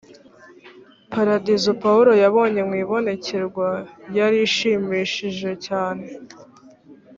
paradizo pawulo yabonye mu ibonekerwa yari ishimishije cyane.